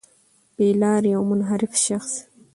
بې لاري او منحرف شخص